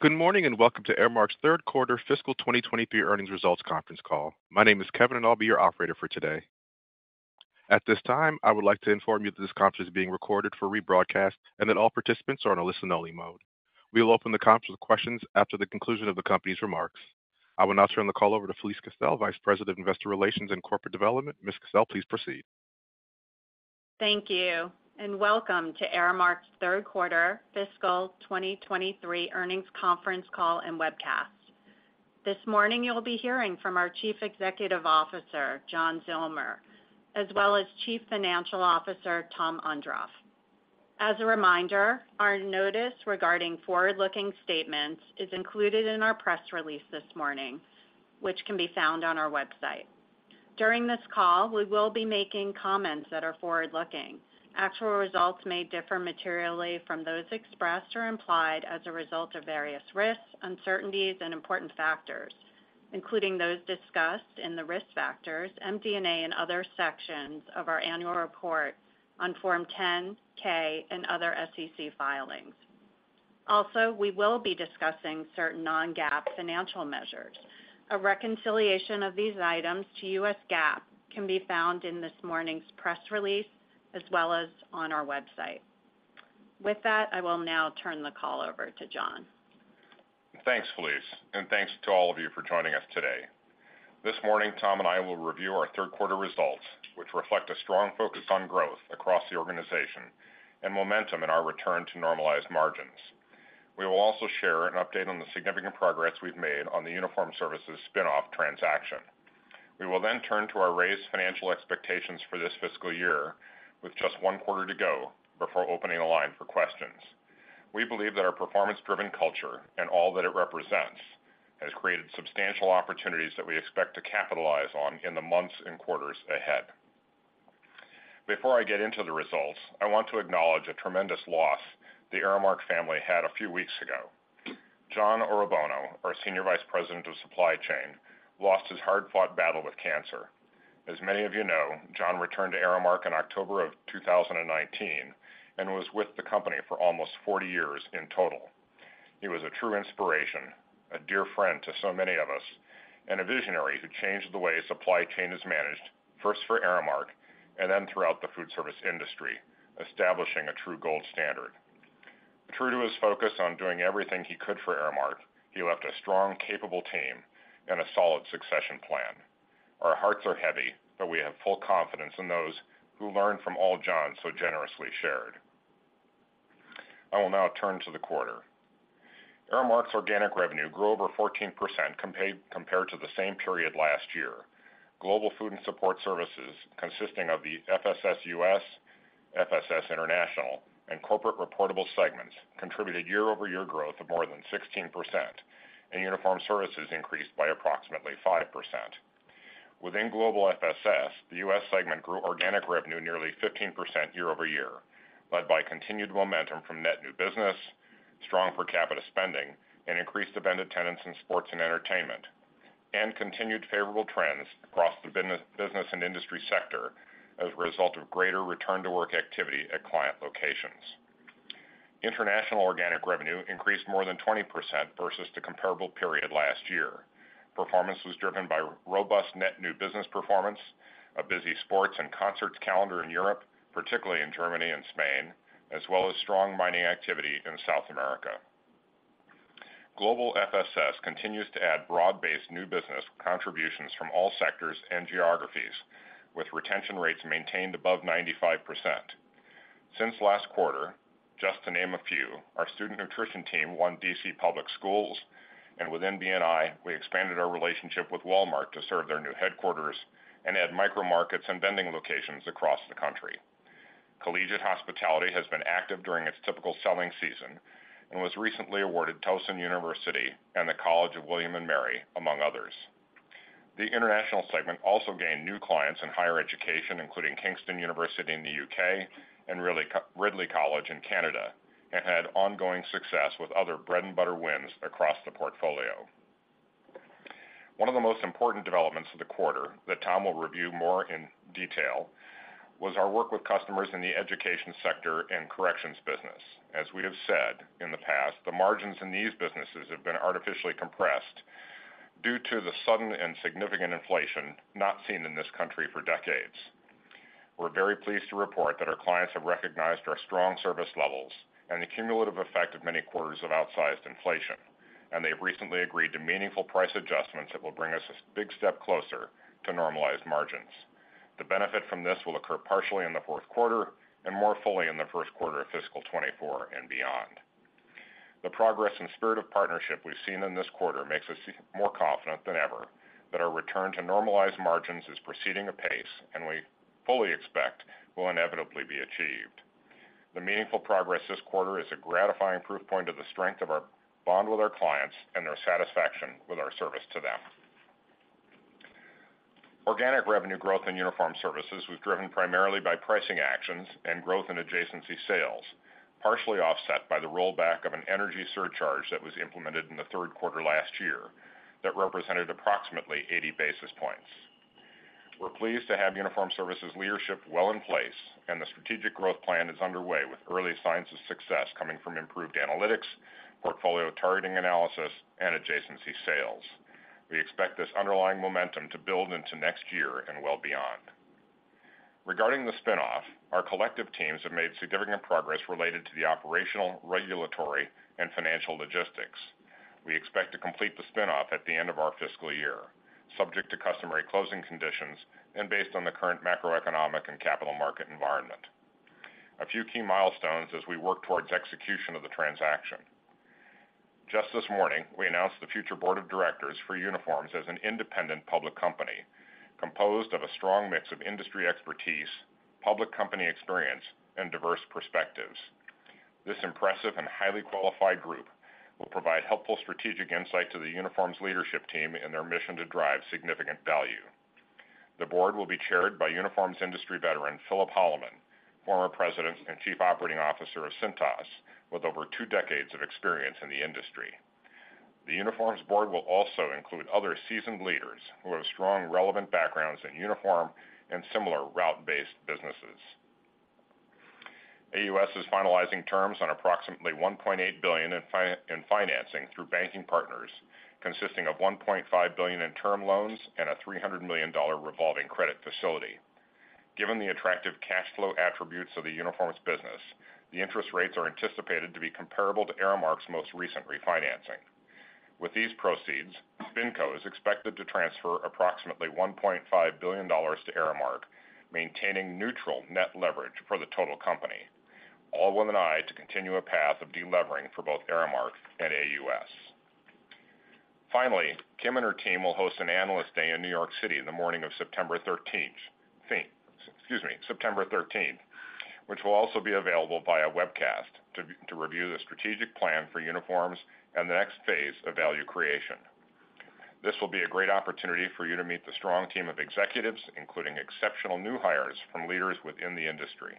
Good morning, and welcome to Aramark's third quarter fiscal 2023 earnings results conference call. My name is Kevin, and I'll be your operator for today. At this time, I would like to inform you that this conference is being recorded for rebroadcast and that all participants are in a listen-only mode. We will open the conference with questions after the conclusion of the company's remarks. I will now turn the call over to Felice Torcivia, Vice President of Investor Relations and Corporate Development. Ms. Torcivia, please proceed. Thank you. Welcome to Aramark's third quarter fiscal 2023 earnings conference call and webcast. This morning, you'll be hearing from our Chief Executive Officer, John Zillmer, as well as Chief Financial Officer, Tom Ondrof. As a reminder, our notice regarding forward-looking statements is included in our press release this morning, which can be found on our website. During this call, we will be making comments that are forward-looking. Actual results may differ materially from those expressed or implied as a result of various risks, uncertainties and important factors, including those discussed in the risk factors, MD&A and other sections of our annual report on Form 10-K, and other SEC filings. Also, we will be discussing certain non-GAAP financial measures. A reconciliation of these items to U.S. GAAP can be found in this morning's press release as well as on our website. With that, I will now turn the call over to John. Thanks, Felice. Thanks to all of you for joining us today. This morning, Tom and I will review our third quarter results, which reflect a strong focus on growth across the organization and momentum in our return to normalized margins. We will also share an update on the significant progress we've made on the Uniform Services spin-off transaction. We will turn to our raised financial expectations for this fiscal year with just one quarter to go before opening the line for questions. We believe that our performance-driven culture and all that it represents has created substantial opportunities that we expect to capitalize on in the months and quarters ahead. Before I get into the results, I want to acknowledge a tremendous loss the Aramark family had a few weeks ago. John Orobono, our Senior Vice President of Supply Chain, lost his hard-fought battle with cancer. As many of you know, John returned to Aramark in October of 2019 and was with the company for almost 40 years in total. He was a true inspiration, a dear friend to so many of us, and a visionary who changed the way supply chain is managed, first for Aramark and then throughout the food service industry, establishing a true gold standard. True to his focus on doing everything he could for Aramark, he left a strong, capable team and a solid succession plan. Our hearts are heavy, but we have full confidence in those who learned from all John so generously shared. I will now turn to the quarter. Aramark's organic revenue grew over 14% compared to the same period last year. Global Food and Support Services, consisting of the FSS U.S., FSS International, and Corporate Reportable segments, contributed year-over-year growth of more than 16%, and Uniform Services increased by approximately 5%. Within Global FSS, the U.S. segment grew organic revenue nearly 15% year-over-year, led by continued momentum from net new business, strong per capita spending, and increased event attendance in sports and entertainment, and continued favorable trends across the business and industry sector as a result of greater return to work activity at client locations. International organic revenue increased more than 20% versus the comparable period last year. Performance was driven by robust net new business performance, a busy sports and concerts calendar in Europe, particularly in Germany and Spain, as well as strong mining activity in South America. Global FSS continues to add broad-based new business contributions from all sectors and geographies, with retention rates maintained above 95%. Since last quarter, just to name a few, our student nutrition team won D.C. public schools. Within B&I, we expanded our relationship with Walmart to serve their new headquarters and add micro markets and vending locations across the country. Collegiate Hospitality has been active during its typical selling season and was recently awarded Towson University and The College of William and Mary, among others. The international segment also gained new clients in higher education, including Kingston University in the U.K. and Ridley College in Canada, and had ongoing success with other bread and butter wins across the portfolio. One of the most important developments of the quarter that Tom will review more in detail, was our work with customers in the education sector and corrections business. As we have said in the past, the margins in these businesses have been artificially compressed due to the sudden and significant inflation not seen in this country for decades. We're very pleased to report that our clients have recognized our strong service levels and the cumulative effect of many quarters of outsized inflation. They've recently agreed to meaningful price adjustments that will bring us a big step closer to normalized margins. The benefit from this will occur partially in the fourth quarter and more fully in the first quarter of fiscal 2024 and beyond. The progress and spirit of partnership we've seen in this quarter makes us more confident than ever that our return to normalized margins is proceeding apace and we fully expect will inevitably be achieved. The meaningful progress this quarter is a gratifying proof point of the strength of our bond with our clients and their satisfaction with our service to them. Organic revenue growth in Uniform Services was driven primarily by pricing actions and growth in adjacency sales, partially offset by the rollback of an energy surcharge that was implemented in the third quarter last year that represented approximately 80 basis points. We're pleased to have Uniform Services leadership well in place, the strategic growth plan is underway, with early signs of success coming from improved analytics, portfolio targeting analysis, and adjacency sales. We expect this underlying momentum to build into next year and well beyond. Regarding the spin-off, our collective teams have made significant progress related to the operational, regulatory, and financial logistics. We expect to complete the spin-off at the end of our fiscal year, subject to customary closing conditions and based on the current macroeconomic and capital market environment. A few key milestones as we work towards execution of the transaction. Just this morning, we announced the future board of directors for Uniforms as an independent public company, composed of a strong mix of industry expertise, public company experience, and diverse perspectives. This impressive and highly qualified group will provide helpful strategic insight to the Uniforms leadership team in their mission to drive significant value. The board will be chaired by Uniforms industry veteran, Phillip Holloman, former president and chief operating officer of Cintas, with over two decades of experience in the industry. The Uniforms board will also include other seasoned leaders who have strong, relevant backgrounds in Uniform and similar route-based businesses. AUS is finalizing terms on approximately $1.8 billion in financing through banking partners, consisting of $1.5 billion in term loans and a $300 million revolving credit facility. Given the attractive cash flow attributes of the Uniforms business, the interest rates are anticipated to be comparable to Aramark's most recent refinancing. With these proceeds, SpinCo is expected to transfer approximately $1.5 billion to Aramark, maintaining neutral net leverage for the total company. All with an eye to continue a path of delevering for both Aramark and AUS. Finally, Kim and her team will host an Analyst Day in New York City on the morning of September 13th, excuse me, September 13th, which will also be available via webcast, to review the strategic plan for Uniforms and the next phase of value creation. This will be a great opportunity for you to meet the strong team of executives, including exceptional new hires from leaders within the industry,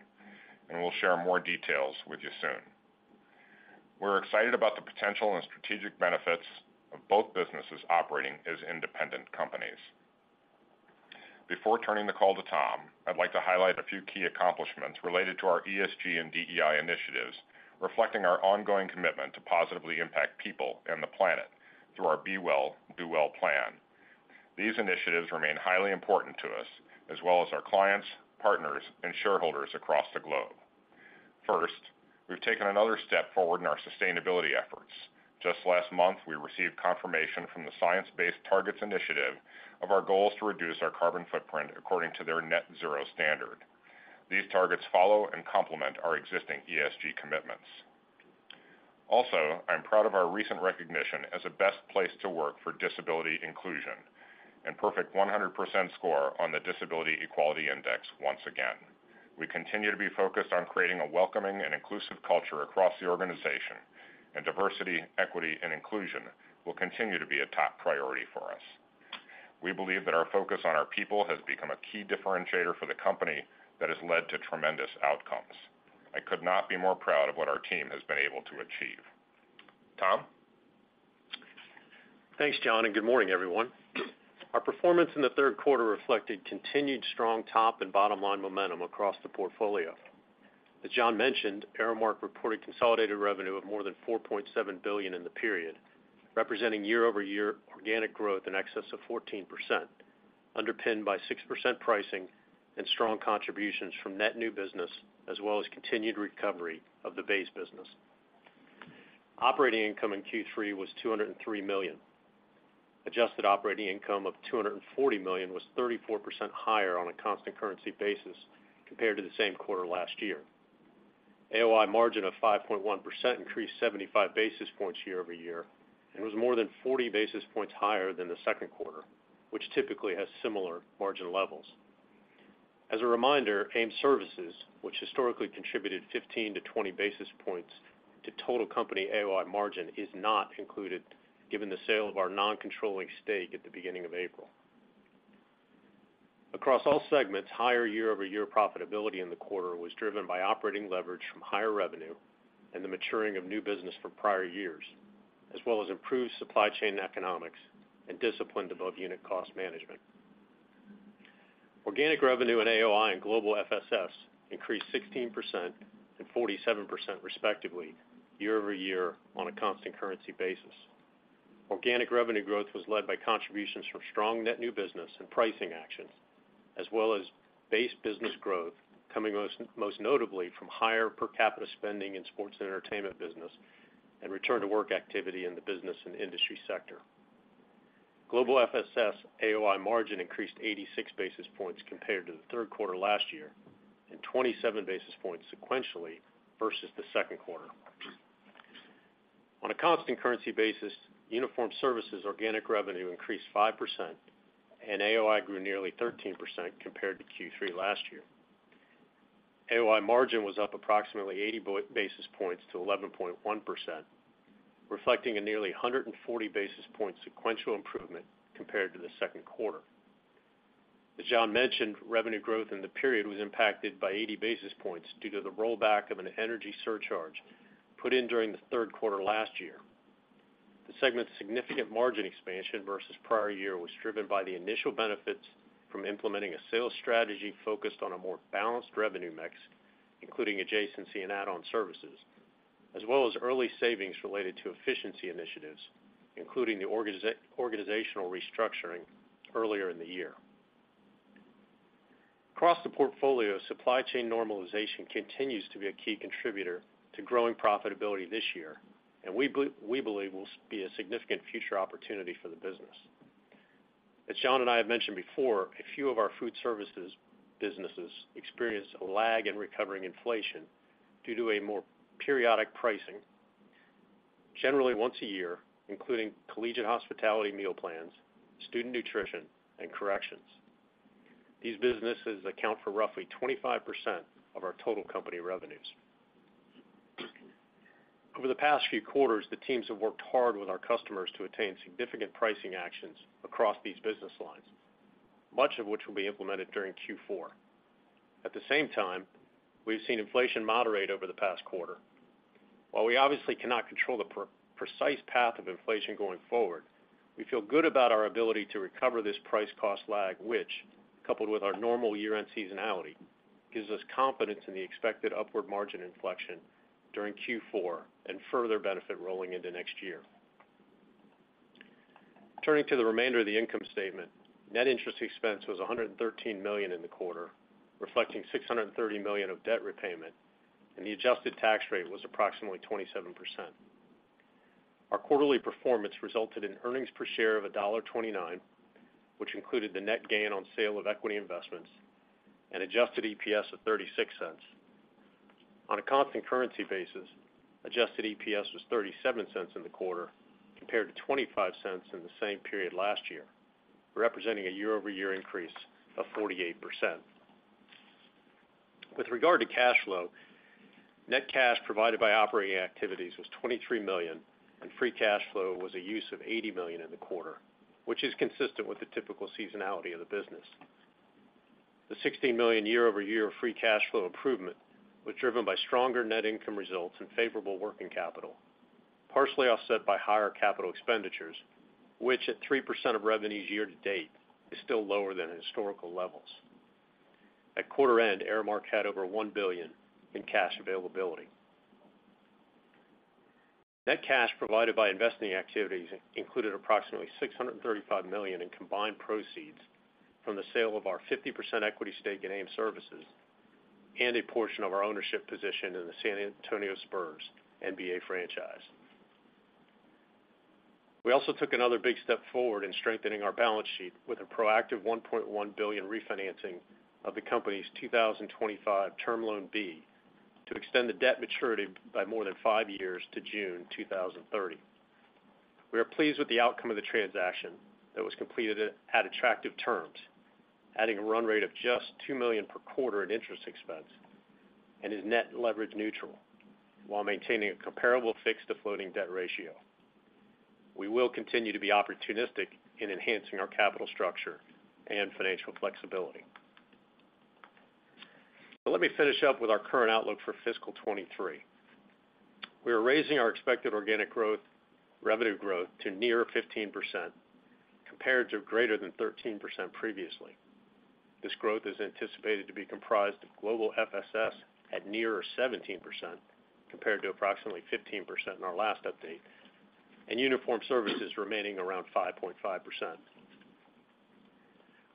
and we'll share more details with you soon. We're excited about the potential and strategic benefits of both businesses operating as independent companies. Before turning the call to Tom, I'd like to highlight a few key accomplishments related to our ESG and DEI initiatives, reflecting our ongoing commitment to positively impact people and the planet through our Be Well. Do Well. plan. These initiatives remain highly important to us, as well as our clients, partners, and shareholders across the globe. First, we've taken another step forward in our sustainability efforts. Just last month, we received confirmation from the Science Based Targets initiative of our goals to reduce our carbon footprint according to their Net-Zero Standard. These targets follow and complement our existing ESG commitments. Also, I'm proud of our recent recognition as a best place to work for disability inclusion and perfect 100% score on the Disability Equality Index once again. We continue to be focused on creating a welcoming and inclusive culture across the organization, and diversity, equity, and inclusion will continue to be a top priority for us. We believe that our focus on our people has become a key differentiator for the company that has led to tremendous outcomes. I could not be more proud of what our team has been able to achieve. Tom? Thanks, John, and good morning, everyone. Our performance in the third quarter reflected continued strong top and bottom-line momentum across the portfolio. As John mentioned, Aramark reported consolidated revenue of more than $4.7 billion in the period, representing year-over-year organic growth in excess of 14%, underpinned by 6% pricing and strong contributions from net new business, as well as continued recovery of the base business. Operating income in Q3 was $203 million. Adjusted operating income of $240 million was 34% higher on a constant currency basis compared to the same quarter last year. AOI margin of 5.1% increased 75 basis points year-over-year and was more than 40 basis points higher than the second quarter, which typically has similar margin levels. As a reminder, AIM Services, which historically contributed 15 to 20 basis points to total company AOI margin, is not included given the sale of our non-controlling stake at the beginning of April. Across all segments, higher year-over-year profitability in the quarter was driven by operating leverage from higher revenue and the maturing of new business from prior years, as well as improved supply chain economics and disciplined above-unit cost management. Organic revenue and AOI and Global FSS increased 16% and 47%, respectively, year-over-year on a constant currency basis. Organic revenue growth was led by contributions from strong net new business and pricing actions, as well as base business growth, coming most notably from higher per capita spending in sports and entertainment business and return to work activity in the business and industry sector. Global FSS AOI margin increased 86 basis points compared to the third quarter last year, and 27 basis points sequentially versus the second quarter. On a constant currency basis, Uniform Services organic revenue increased 5%, and AOI grew nearly 13% compared to Q3 last year. AOI margin was up approximately 80 basis points to 11.1%, reflecting a nearly 140 basis point sequential improvement compared to the second quarter. As John mentioned, revenue growth in the period was impacted by 80 basis points due to the rollback of an energy surcharge put in during the third quarter last year.... The segment's significant margin expansion versus prior year was driven by the initial benefits from implementing a sales strategy focused on a more balanced revenue mix, including adjacency and add-on services, as well as early savings related to efficiency initiatives, including the organizational restructuring earlier in the year. Across the portfolio, supply chain normalization continues to be a key contributor to growing profitability this year, and we believe will be a significant future opportunity for the business. As John and I have mentioned before, a few of our food services businesses experience a lag in recovering inflation due to a more periodic pricing, generally once a year, including Collegiate Hospitality meal plans, student nutrition, and corrections. These businesses account for roughly 25% of our total company revenues. Over the past few quarters, the teams have worked hard with our customers to attain significant pricing actions across these business lines, much of which will be implemented during Q4. At the same time, we've seen inflation moderate over the past quarter. While we obviously cannot control the precise path of inflation going forward, we feel good about our ability to recover this price cost lag, which, coupled with our normal year-end seasonality, gives us confidence in the expected upward margin inflection during Q4 and further benefit rolling into next year. Turning to the remainder of the income statement. Net interest expense was $113 million in the quarter, reflecting $630 million of debt repayment, and the adjusted tax rate was approximately 27%. Our quarterly performance resulted in earnings per share of $1.29, which included the net gain on sale of equity investments and adjusted EPS of $0.36. On a constant currency basis, adjusted EPS was $0.37 in the quarter, compared to $0.25 in the same period last year, representing a year-over-year increase of 48%. With regard to cash flow, net cash provided by operating activities was $23 million, and free cash flow was a use of $80 million in the quarter, which is consistent with the typical seasonality of the business. The $16 million year-over-year free cash flow improvement was driven by stronger net income results and favorable working capital, partially offset by higher capital expenditures, which at 3% of revenues year to date, is still lower than historical levels. At quarter end, Aramark had over $1 billion in cash availability. Net cash provided by investing activities included approximately $635 million in combined proceeds from the sale of our 50% equity stake in AIM Services and a portion of our ownership position in the San Antonio Spurs NBA franchise. We also took another big step forward in strengthening our balance sheet with a proactive $1.1 billion refinancing of the company's 2025 Term Loan B to extend the debt maturity by more than 5 years to June 2030. We are pleased with the outcome of the transaction that was completed at attractive terms, adding a run rate of just $2 million per quarter in interest expense and is net leverage neutral, while maintaining a comparable fixed to floating debt ratio. We will continue to be opportunistic in enhancing our capital structure and financial flexibility. Let me finish up with our current outlook for fiscal 2023. We are raising our expected organic growth, revenue growth to near 15%, compared to greater than 13% previously. This growth is anticipated to be comprised of Global FSS at near 17%, compared to approximately 15% in our last update, and Uniform Services remaining around 5.5%.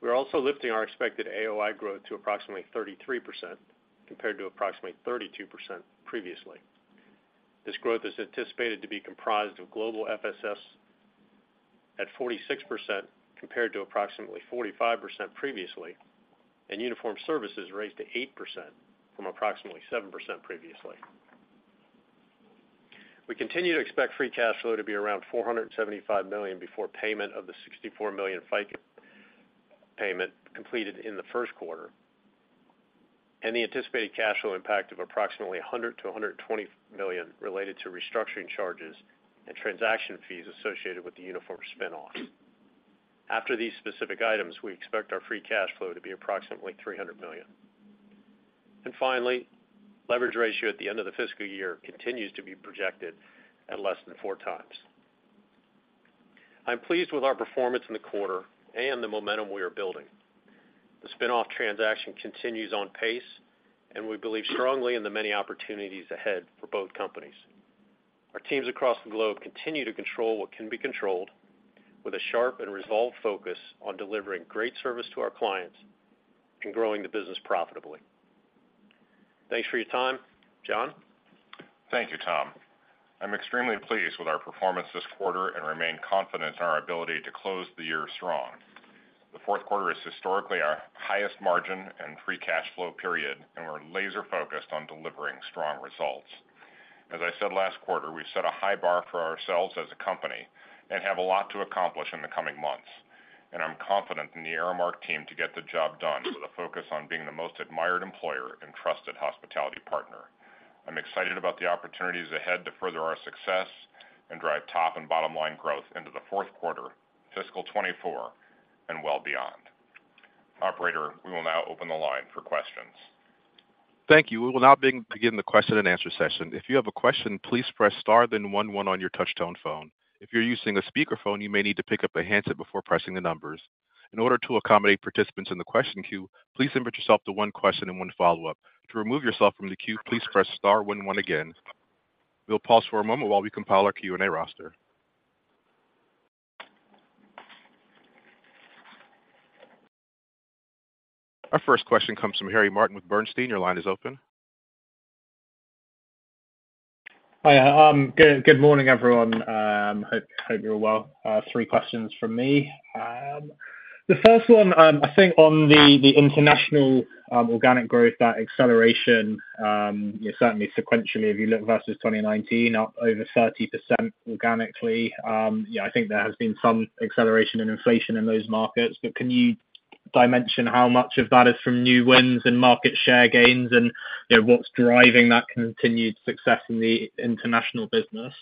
We are also lifting our expected AOI growth to approximately 33%, compared to approximately 32% previously. This growth is anticipated to be comprised of Global FSS at 46%, compared to approximately 45% previously, and Uniform Services raised to 8% from approximately 7% previously. We continue to expect free cash flow to be around $475 million before payment of the $64 million FICA payment completed in the first quarter, and the anticipated cash flow impact of approximately $100 million-$120 million related to restructuring charges and transaction fees associated with the Uniform spin-off. After these specific items, we expect our free cash flow to be approximately $300 million. Finally, leverage ratio at the end of the fiscal year continues to be projected at less than 4x. I'm pleased with our performance in the quarter and the momentum we are building. The spin-off transaction continues on pace, and we believe strongly in the many opportunities ahead for both companies. Our teams across the globe continue to control what can be controlled with a sharp and resolved focus on delivering great service to our clients and growing the business profitably. Thanks for your time. John? Thank you, Tom. I'm extremely pleased with our performance this quarter and remain confident in our ability to close the year strong. The 4th quarter is historically our highest margin and free cash flow period. We're laser focused on delivering strong results. As I said last quarter, we've set a high bar for ourselves as a company and have a lot to accomplish in the coming months. I'm confident in the Aramark team to get the job done with a focus on being the most admired employer and trusted hospitality partner. I'm excited about the opportunities ahead to further our success and drive top and bottom line growth into the 4th quarter, fiscal 2024, and well beyond. Operator, we will now open the line for questions. Thank you. We will now begin the question and answer session. If you have a question, please press star then one one on your touchtone phone. If you're using a speakerphone, you may need to pick up a handset before pressing the numbers. In order to accommodate participants in the question queue, please limit yourself to one question and one follow-up. To remove yourself from the queue, please press star one one again. We'll pause for a moment while we compile our Q&A roster. Our first question comes from Harry Martin with Bernstein. Your line is open. Hi, good, good morning, everyone. Hope, hope you're well. Three questions from me. The first one, I think on the, the international, organic growth, that acceleration, you know, certainly sequentially, if you look versus 2019, up over 30% organically. Yeah, I think there has been some acceleration in inflation in those markets. Can you dimension how much of that is from new wins and market share gains and, you know, what's driving that continued success in the international business?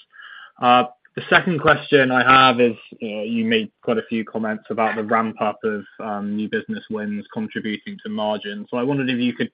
The second question I have is, you know, you made quite a few comments about the ramp-up of new business wins contributing to margin. I wondered if you could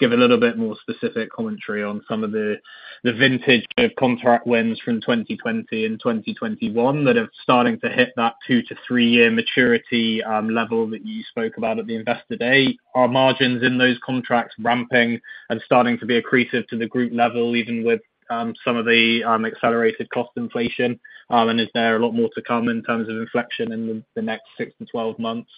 give a little bit more specific commentary on some of the, the vintage of contract wins from 2020 and 2021 that are starting to hit that 2-3-year maturity level that you spoke about at the Investor Day. Are margins in those contracts ramping and starting to be accretive to the group level, even with some of the accelerated cost inflation? Is there a lot more to come in terms of inflection in the next 6-12 months?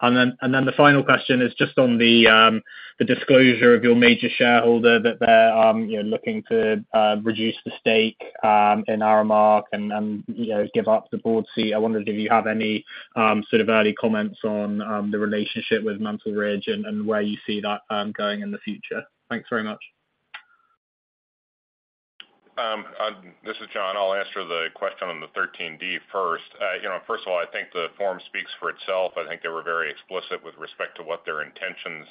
The final question is just on the disclosure of your major shareholder, that they're, you know, looking to reduce the stake in Aramark and, you know, give up the board seat. I wondered if you have any, sort of early comments on, the relationship with Mantle Ridge and, and where you see that, going in the future. Thanks very much. This is John. I'll answer the question on the 13D first. You know, first of all, I think the forum speaks for itself. I think they were very explicit with respect to what their intentions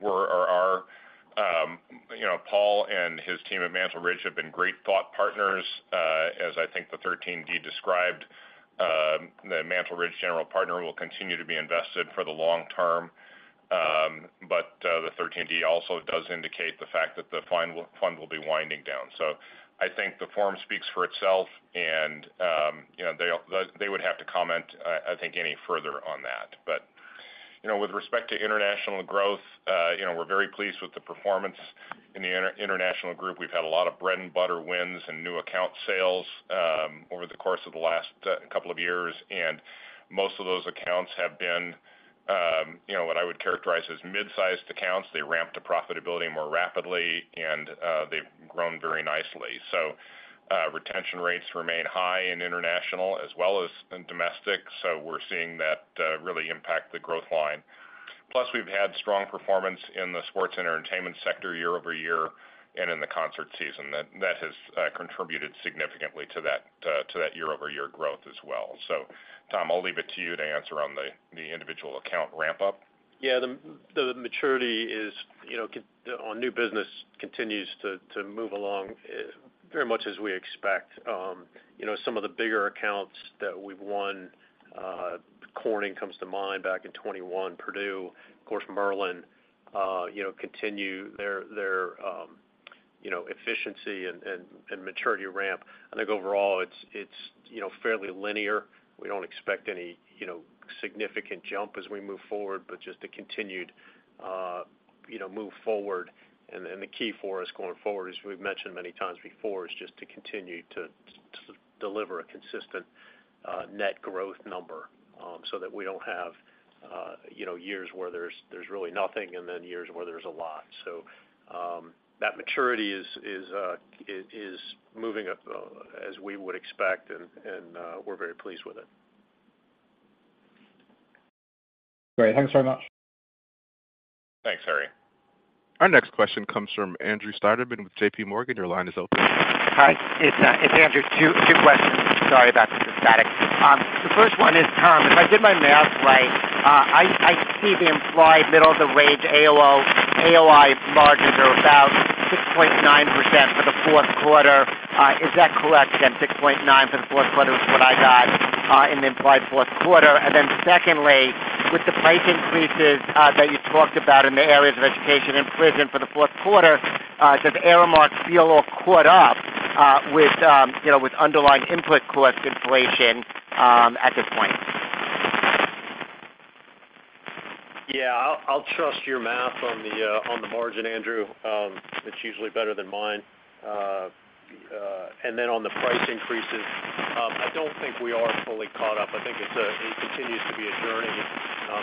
were or are. You know, Paul and his team at Mantle Ridge have been great thought partners. As I think the 13D described, the Mantle Ridge general partner will continue to be invested for the long term. The 13D also does indicate the fact that the fund will, fund will be winding down. I think the forum speaks for itself, and, you know, they, they would have to comment, I think, any further on that. You know, with respect to international growth, you know, we're very pleased with the performance in the international group. We've had a lot of bread and butter wins and new account sales, over the course of the last, couple of years, and most of those accounts have been, you know, what I would characterize as mid-sized accounts. They ramp to profitability more rapidly, and, they've grown very nicely. Retention rates remain high in international as well as in domestic, so we're seeing that, really impact the growth line. Plus, we've had strong performance in the sports entertainment sector year-over-year and in the concert season. That, that has, contributed significantly to that, to that year-over-year growth as well. Tom, I'll leave it to you to answer on the, the individual account ramp up. Yeah, the maturity is, you know, On new business continues to, to move along, very much as we expect. You know, some of the bigger accounts that we've won, Corning comes to mind back in 2021, Purdue, of course, Merlin, you know, continue their, their, you know, efficiency and, and, and maturity ramp. I think overall it's, it's, you know, fairly linear. We don't expect any, you know, significant jump as we move forward, but just a continued, you know, move forward. The key for us going forward, as we've mentioned many times before, is just to continue to, to deliver a consistent, net growth number, so that we don't have, you know, years where there's, there's really nothing, and then years where there's a lot. That maturity is, is, is, is moving up, as we would expect, and, and, we're very pleased with it. Great. Thanks very much. Thanks, Harry. Our next question comes from Andrew Steinerman with J.P. Morgan. Your line is open. Hi, it's Andrew. Two questions. Sorry about the static. The first one is, Tom, if I did my math right, I see the implied middle of the range, AOI margins are about 6.9% for the fourth quarter. Is that correct? Again, 6.9 for the fourth quarter is what I got in the implied fourth quarter. Secondly, with the price increases that you talked about in the areas of education and prison for the fourth quarter, does Aramark feel all caught up with, you know, with underlying input cost inflation at this point? Yeah, I'll, I'll trust your math on the on the margin, Andrew. It's usually better than mine. Then on the price increases, I don't think we are fully caught up. I think it continues to be a journey.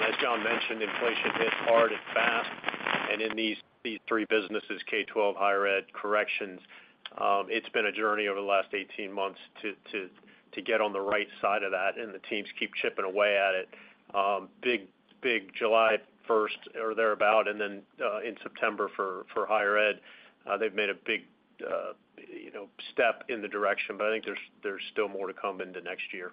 As John mentioned, inflation hit hard and fast, in these 3 businesses, K-12, higher ed, corrections, it's been a journey over the last 18 months to get on the right side of that, the teams keep chipping away at it. Big, big July first or thereabout, then in September for higher ed, they've made a big, you know, step in the direction, but I think there's still more to come in the next year.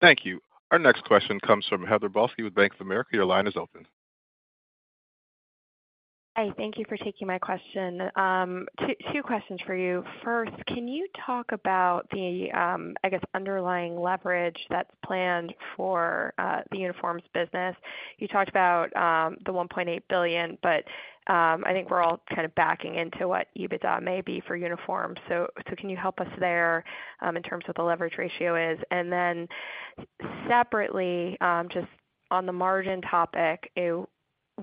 Thank you. Our next question comes from Heather Balsky with Bank of America. Your line is open. Hi, thank you for taking my question. Two, two questions for you. First, can you talk about the, I guess, underlying leverage that's planned for the Uniform Services business? You talked about the $1.8 billion, but I think we're all kind of backing into what EBITDA may be for Uniform Services. So, so can you help us there, in terms of what the leverage ratio is? Then separately, just on the margin topic,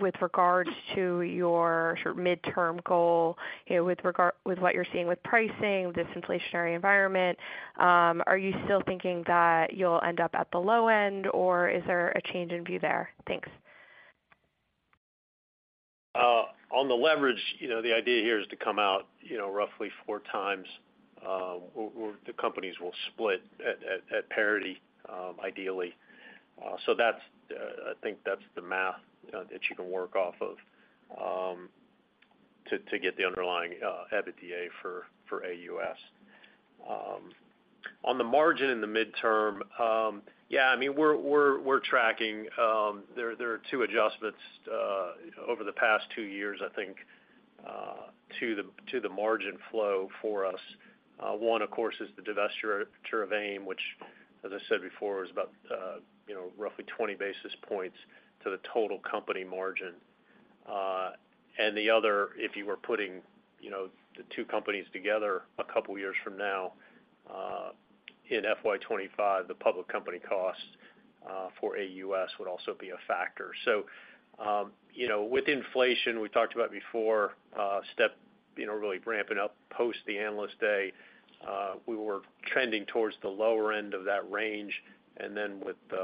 with regards to your short midterm goal, you know, with regard- with what you're seeing with pricing, this inflationary environment, are you still thinking that you'll end up at the low end, or is there a change in view there? Thanks. On the leverage, you know, the idea here is to come out, you know, roughly 4 times, where the companies will split at parity, ideally. That's, I think that's the math that you can work off of to get the underlying EBITDA for AUS. On the margin in the midterm, yeah, I mean, we're tracking. There are 2 adjustments over the past 2 years, I think, to the margin flow for us. One, of course, is the divestiture of AIM, which, as I said before, is about, you know, roughly 20 basis points to the total company margin. The other, if you were putting, you know, the two companies together a couple of years from now, in FY25, the public company costs for AUS would also be a factor. You know, with inflation, we talked about before, step, you know, really ramping up post the Analyst Day, we were trending towards the lower end of that range.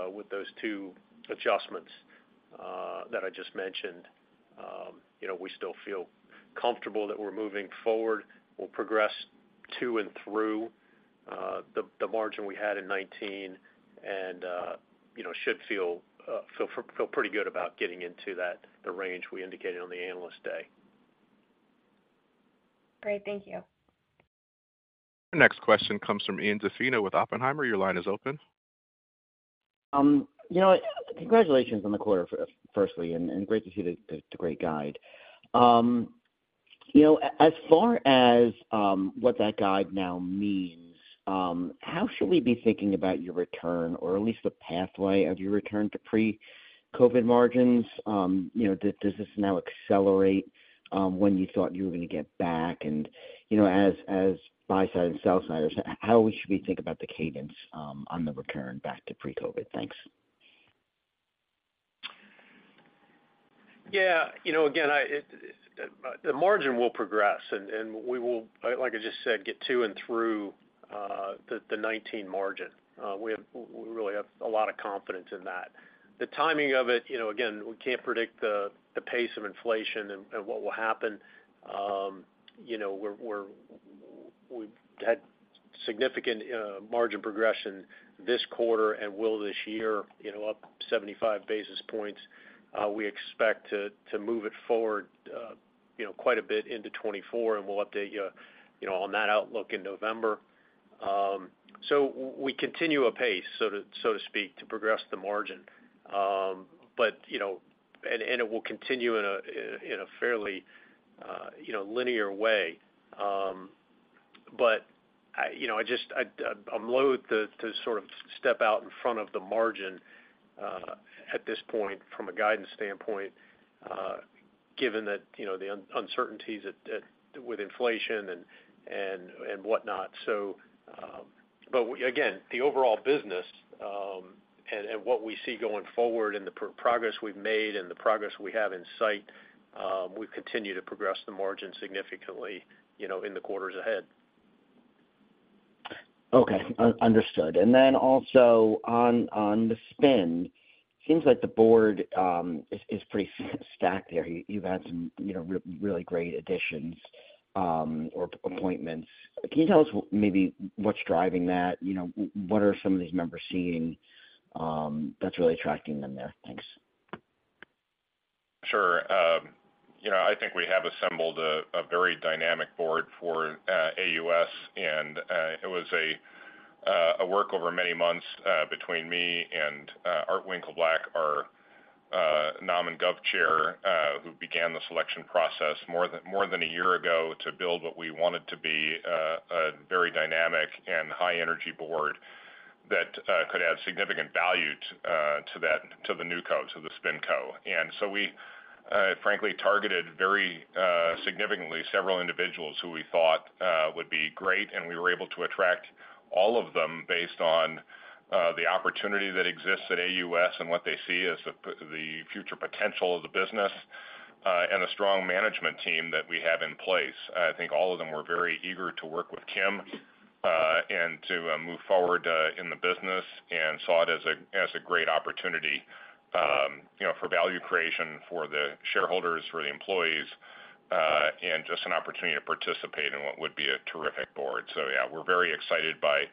With those two adjustments that I just mentioned, you know, we still feel comfortable that we're moving forward. We'll progress to and through the margin we had in 19 and, you know, should feel, feel, feel pretty good about getting into that, the range we indicated on the Analyst Day. Great. Thank you. Our next question comes from Ian Zaffino with Oppenheimer. Your line is open. You know, congratulations on the quarter, firstly, and great to see the great guide. You know, as far as what that guide now means, how should we be thinking about your return or at least the pathway of your return to pre-COVID margins? You know, does this now accelerate when you thought you were going to get back? You know, as buy side and sell side, how should we think about the cadence on the return back to pre-COVID? Thanks. Yeah, you know, again, I, it, the margin will progress, and we will, like I just said, get to and through the 19 margin. We really have a lot of confidence in that. The timing of it, you know, again, we can't predict the pace of inflation and what will happen. You know, we're, we're, we've had significant margin progression this quarter and will this year, you know, up 75 basis points. We expect to move it forward, you know, quite a bit into 2024, and we'll update you, you know, on that outlook in November. We continue apace, so to speak, to progress the margin. You know, it will continue in a fairly, you know, linear way. I, you know, I just, I'd, I'm loathe to, to sort of step out in front of the margin, at this point from a guidance standpoint, given that, you know, the uncertainties at, with inflation and, and, and whatnot. But again, the overall business, and, and what we see going forward and the progress we've made and the progress we have in sight, we've continued to progress the margin significantly, you know, in the quarters ahead. Okay, understood. Also on, on the spin, seems like the board is, is pretty stacked there. You've had some, you know, really great additions or appointments. Can you tell us maybe what's driving that? You know, what are some of these members seeing that's really attracting them there? Thanks. Sure. You know, I think we have assembled a very dynamic board for AUS, and it was a work over many months between me and Art Winkleblack, our Nom and Gov Chair, who began the selection process more than a year ago to build what we wanted to be a very dynamic and high-energy board that could add significant value t- to that, to the new co, to the SpinCo. We, frankly, targeted very significantly several individuals who we thought would be great, and we were able to attract all of them based on the opportunity that exists at AUS and what they see as the p- the future potential of the business and a strong management team that we have in place. I think all of them were very eager to work with Kim, and to move forward in the business and saw it as a, as a great opportunity, you know, for value creation for the shareholders, for the employees, and just an opportunity to participate in what would be a terrific board. Yeah, we're very excited by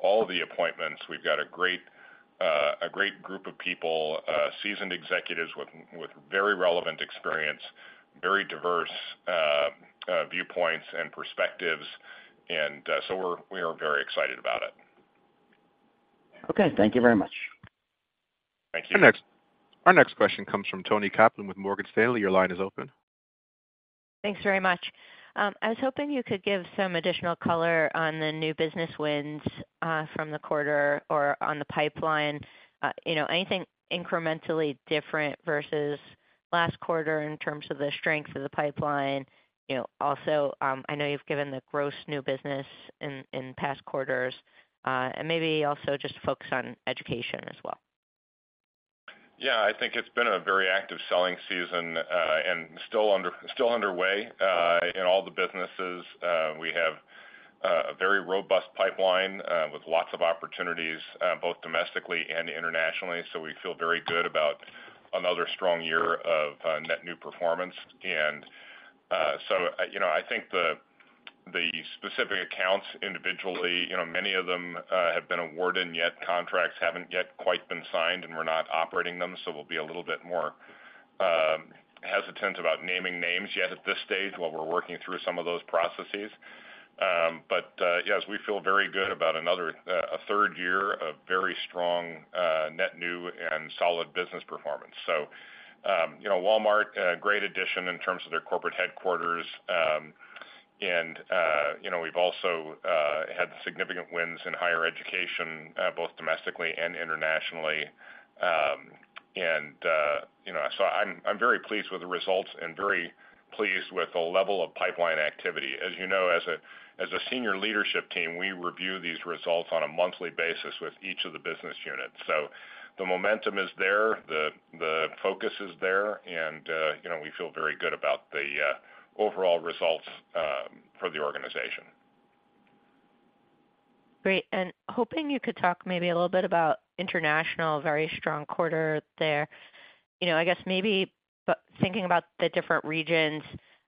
all the appointments. We've got a great, a great group of people, seasoned executives with, with very relevant experience, very diverse, viewpoints and perspectives, and, so we are very excited about it. Okay, thank you very much. Thank you. Our next question comes from Toni Kaplan with Morgan Stanley. Your line is open. Thanks very much. I was hoping you could give some additional color on the new business wins, from the quarter or on the pipeline. You know, anything incrementally different versus last quarter in terms of the strength of the pipeline? You know, also, I know you've given the gross new business in, in past quarters, and maybe also just focus on education as well. Yeah, I think it's been a very active selling season, still underway in all the businesses. We have a very robust pipeline with lots of opportunities both domestically and internationally. We feel very good about another strong year of net new performance. You know, I think the specific accounts individually, you know, many of them have been awarded, and yet contracts haven't yet quite been signed, and we're not operating them. We'll be a little bit more hesitant about naming names yet at this stage while we're working through some of those processes. Yes, we feel very good about another, a third year of very strong net new and solid business performance. You know, Walmart, a great addition in terms of their corporate headquarters. You know, we've also had significant wins in higher education, both domestically and internationally. You know, I'm very pleased with the results and very pleased with the level of pipeline activity. As you know, as a senior leadership team, we review these results on a monthly basis with each of the business units. The momentum is there, the focus is there, and you know, we feel very good about the overall results for the organization. Great. Hoping you could talk maybe a little bit about international, very strong quarter there. You know, I guess maybe, but thinking about the different regions,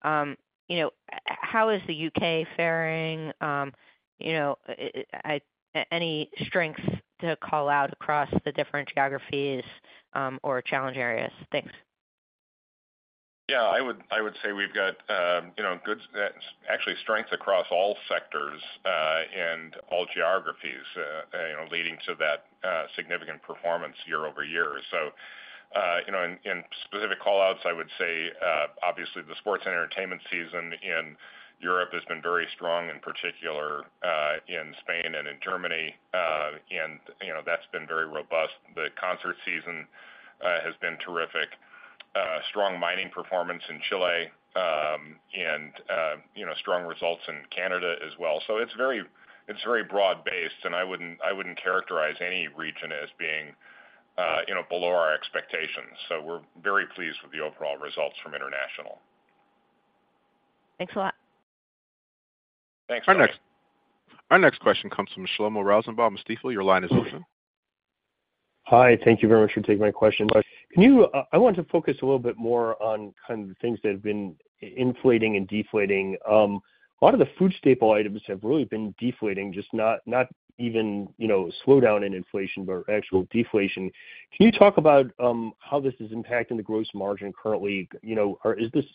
you know, how is the U.K. faring? You know, any strengths to call out across the different geographies, or challenge areas? Thanks. Yeah, I would, I would say we've got, you know, good, actually strengths across all sectors, and all geographies, you know, leading to that significant performance year-over-year. In, you know, in specific call-outs, I would say, obviously, the sports and entertainment season in Europe has been very strong, in particular, in Spain and in Germany. You know, that's been very robust. The concert season, has been terrific. Strong mining performance in Chile, and, you know, strong results in Canada as well. It's very, it's very broad-based, and I wouldn't, I wouldn't characterize any region as being, you know, below our expectations. We're very pleased with the overall results from international. Thanks a lot. Thanks. Our next question comes from Shlomo Rosenbaum, Stifel. Your line is open. Hi, thank you very much for taking my question. Can you, I want to focus a little bit more on kind of the things that have been inflating and deflating. A lot of the food staple items have really been deflating, just not, not even, you know, slowdown in inflation, but actual deflation. Can you talk about how this is impacting the gross margin currently? You know, is this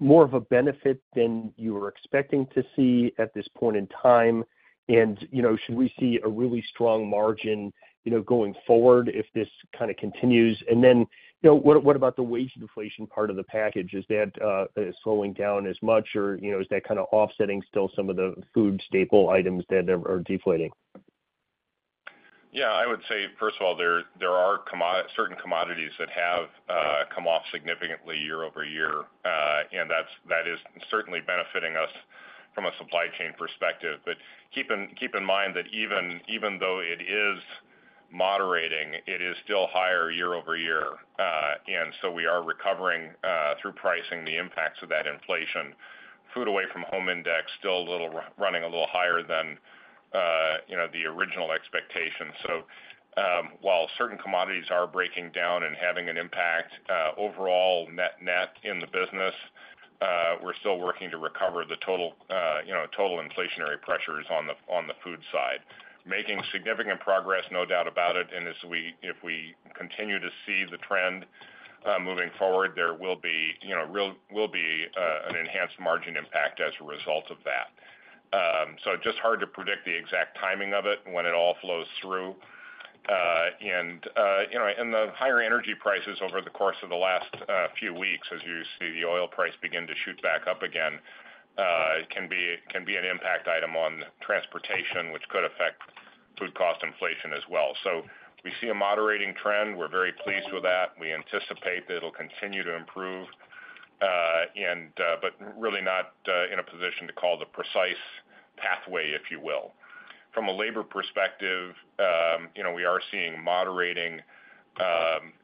more of a benefit than you were expecting to see at this point in time? You know, should we see a really strong margin, you know, going forward if this kind of continues? You know, what, what about the wage inflation part of the package? Is that slowing down as much, or, you know, is that kind of offsetting still some of the food staple items that are, are deflating? Yeah, I would say, first of all, there, there are certain commodities that have come off significantly year-over-year, and that's, that is certainly benefiting us from a supply chain perspective. Keep in, keep in mind that even, even though it is moderating, it is still higher year-over-year. We are recovering through pricing the impacts of that inflation. Food Away From Home Index, still a little, running a little higher than, you know, the original expectations. While certain commodities are breaking down and having an impact, overall, net-net, in the business, we're still working to recover the total, you know, total inflationary pressures on the, on the food side. Making significant progress, no doubt about it, and if we continue to see the trend, moving forward, there will be, you know, will be an enhanced margin impact as a result of that. Just hard to predict the exact timing of it when it all flows through. The higher energy prices over the course of the last few weeks, as you see the oil price begin to shoot back up again, can be, can be an impact item on transportation, which could affect food cost inflation as well. We see a moderating trend. We're very pleased with that. We anticipate that it'll continue to improve, and, but really not in a position to call the precise pathway, if you will. From a labor perspective, you know, we are seeing moderating,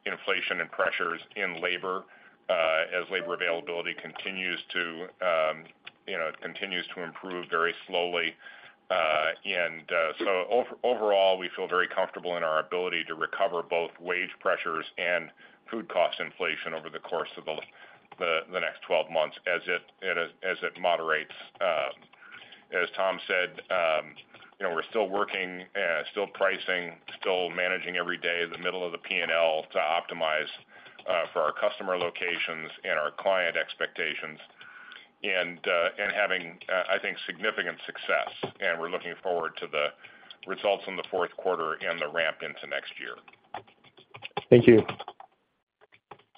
inflation and pressures in labor, as labor availability continues to, you know, continues to improve very slowly. Overall, we feel very comfortable in our ability to recover both wage pressures and food cost inflation over the course of the 12 months as it, as it moderates. As Tom said, you know, we're still working, still pricing, still managing every day in the middle of the P&L to optimize, for our customer locations and our client expectations. Having, I think, significant success. We're looking forward to the results in the fourth quarter and the ramp into next year. Thank you.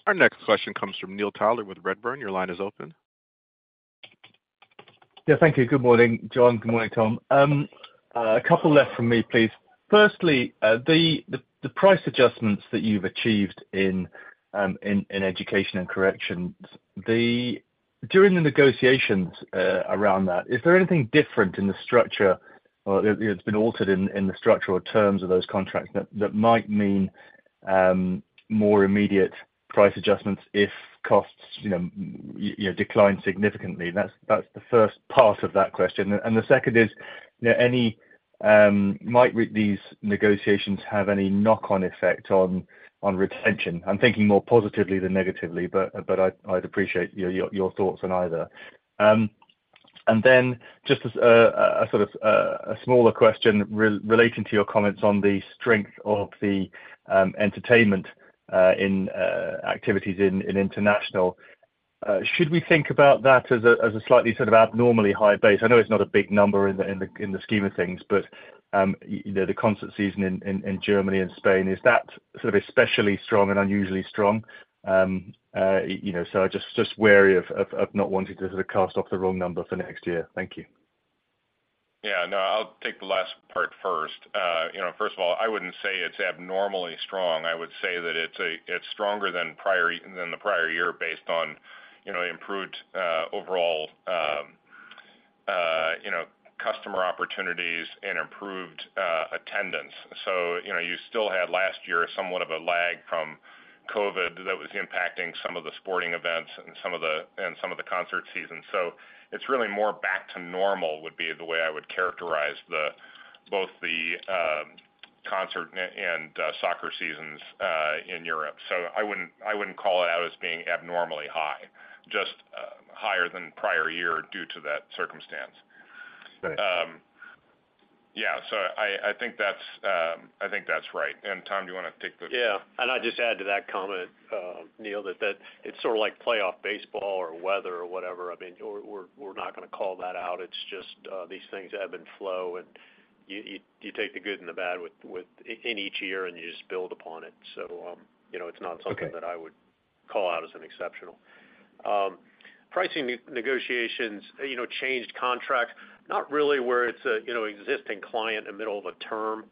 Our next question comes from Neil Tyler with Redburn. Your line is open. Yeah, thank you. Good morning, John. Good morning, Tom. A couple left from me, please. Firstly, the price adjustments that you've achieved in, in, in education and corrections, during the negotiations around that, is there anything different in the structure, or that has been altered in, in the structure or terms of those contracts that, that might mean more immediate price adjustments if costs, you know, y- you know, decline significantly? That's, that's the first part of that question. The second is, you know, any might these negotiations have any knock-on effect on, on retention? I'm thinking more positively than negatively, but, but I'd, I'd appreciate your, your, your thoughts on either. Then just as, a sort of, a smaller question relating to your comments on the strength of the, entertainment, activities in international. Should we think about that as a, as a slightly sort of abnormally high base? I know it's not a big number in the scheme of things, but, you know, the concert season in Germany and Spain, is that sort of especially strong and unusually strong? You know, just, just wary of, of, of not wanting to sort of cast off the wrong number for next year. Thank you. Yeah, no, I'll take the last part first. You know, first of all, I wouldn't say it's abnormally strong. I would say that it's a-- it's stronger than prior, than the prior year, based on, you know, improved overall, you know, customer opportunities and improved attendance. So, you know, you still had last year, somewhat of a lag from COVID that was impacting some of the sporting events and some of the, and some of the concert seasons. So it's really more back to normal, would be the way I would characterize the, both the concert and soccer seasons in Europe. So I wouldn't, I wouldn't call it out as being abnormally high, just higher than prior year due to that circumstance. Great. Yeah, so I, I think that's, I think that's right. Tom, do you want to take the- Yeah, and I'd just add to that comment, Neil, that it's sort of like playoff baseball or weather or whatever. I mean, we're not going to call that out. It's just, these things ebb and flow, and you take the good and the bad with in each year, and you just build upon it. You know, it's not something. Okay... that I would call out as an exceptional. Pricing negotiations, you know, changed contracts, not really where it's a, you know, existing client in the middle of a term.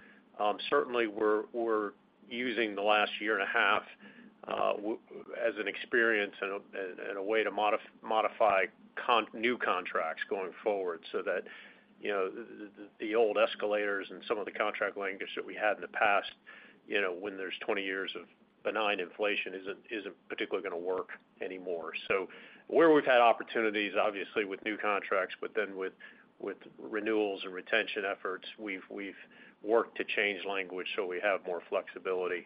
Certainly, we're, we're using the last year and a half as an experience and a, and a way to modify new contracts going forward, so that, you know, the old escalators and some of the contract language that we had in the past, you know, when there's 20 years of benign inflation, isn't, isn't particularly going to work anymore. Where we've had opportunities, obviously with new contracts, but then with, with renewals and retention efforts, we've, we've worked to change language so we have more flexibility.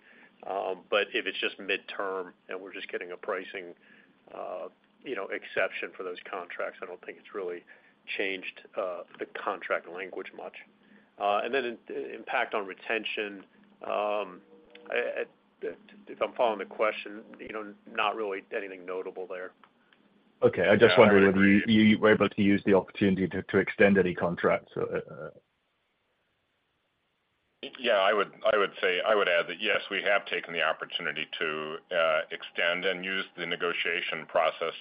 If it's just midterm and we're just getting a pricing, you know, exception for those contracts, I don't think it's really changed, the contract language much. Impact on retention, I, I, if I'm following the question, you know, not really anything notable there. Okay. I just wondered whether you, you were able to use the opportunity to, to extend any contracts? Yeah, I would add that, yes, we have taken the opportunity to extend and use the negotiation process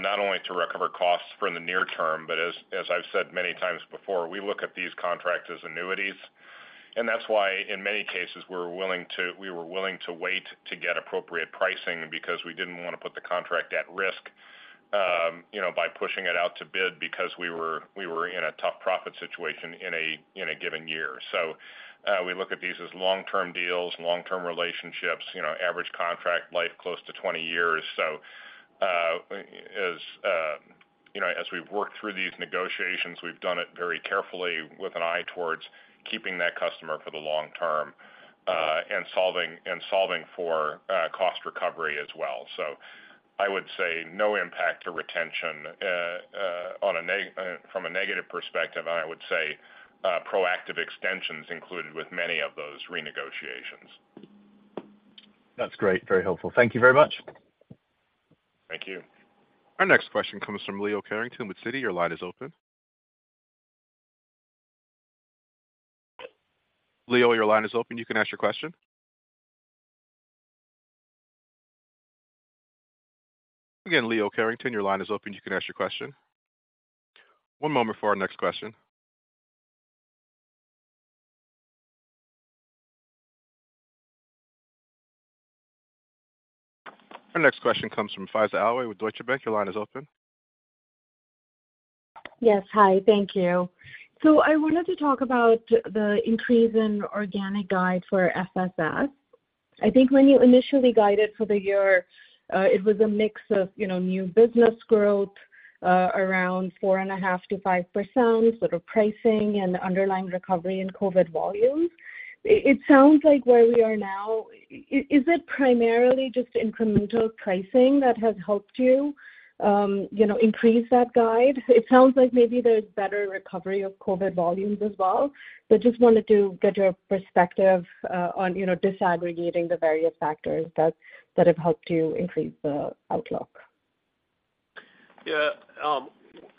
not only to recover costs for the near term, but as, as I've said many times before, we look at these contracts as annuities. That's why, in many cases, we were willing to wait to get appropriate pricing because we didn't want to put the contract at risk, you know, by pushing it out to bid because we were, we were in a tough profit situation in a, in a given year. We look at these as long-term deals, long-term relationships, you know, average contract life, close to 20 years. As, you know, as we've worked through these negotiations, we've done it very carefully with an eye towards keeping that customer for the long term, and solving, and solving for, cost recovery as well. I would say no impact to retention, on a from a negative perspective, and I would say, proactive extensions included with many of those renegotiations. That's great. Very helpful. Thank you very much. Thank you. Our next question comes from Leo Carrington with Citi. Your line is open. Leo, your line is open, you can ask your question. Again, Leo Carrington, your line is open, you can ask your question. One moment for our next question. Our next question comes from Faiza Alawi with Deutsche Bank. Your line is open. Yes. Hi, thank you. I wanted to talk about the increase in organic guide for FSS. I think when you initially guided for the year, it was a mix of, you know, new business growth, around 4.5%-5%, sort of pricing and underlying recovery in COVID volumes. It sounds like where we are now, is it primarily just incremental pricing that has helped you, you know, increase that guide? It sounds like maybe there's better recovery of COVID volumes as well. I just wanted to get your perspective on, you know, disaggregating the various factors that have helped you increase the outlook. Yeah,